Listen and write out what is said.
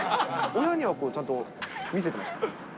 親にはちゃんと見せてました？